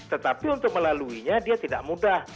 tetapi untuk melaluinya dia tidak mudah